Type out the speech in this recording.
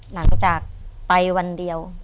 หลังจากไปวันเดียว